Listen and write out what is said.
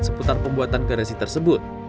seputar pembuatan garasi tersebut